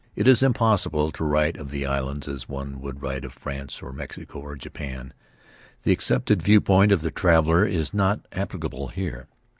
It is impossible to write of the islands as one would write of France or Mexico or Japan — the accepted viewpoint of the traveler is not applicable here.